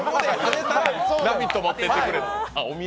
「ラヴィット！」に持っていってくれって。